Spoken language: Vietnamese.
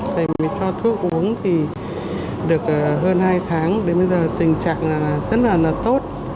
thầy mới cho thuốc uống thì được hơn hai tháng đến bây giờ tình trạng rất là tốt